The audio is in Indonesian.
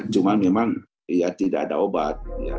cuma memang ya tidak ada obat